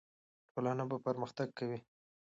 ټولنه به پرمختګ کوي.